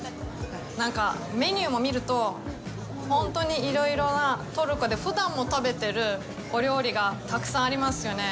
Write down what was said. なんか、メニューを見ると、本当にいろいろなトルコでふだんも食べてるお料理がたくさんありますよね。